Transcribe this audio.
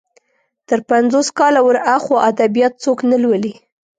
تر پنځوس کاله ور اخوا ادبيات څوک نه لولي.